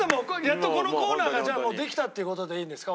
やっとこのコーナーができたっていう事でいいんですか？